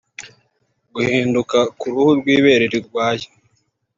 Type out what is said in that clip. Guhinduka k’uruhu rw’ibere rirwaye